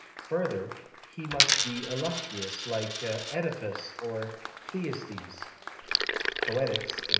Further, he must be illustrious, like CEdipus or Thyestes (Poetics, ed.